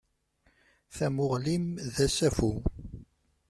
Tamuɣli-m d asafu.